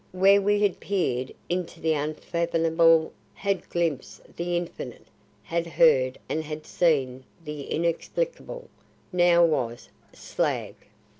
Where we had peered into the unfathomable, had glimpsed the infinite, had heard and had seen the inexplicable, now was Slag!